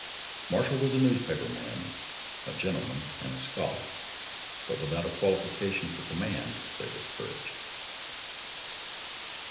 Marshall was a newspaper man, a gentleman and a scholar, but without a qualification for command, save his courage.